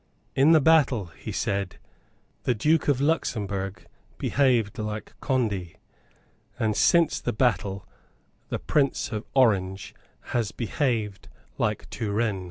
"In the battle," he said, "the Duke of Luxemburg behaved like Conde; and since the battle the Prince of Orange has behaved like Turenne."